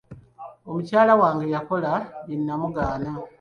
Omukyala wange yakola bye nnamugaana.